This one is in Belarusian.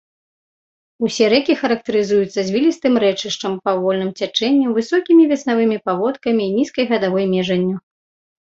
Усе рэкі характарызуюцца звілістым рэчышчам, павольным цячэннем, высокімі вясновымі паводкамі і нізкай гадавой межанню.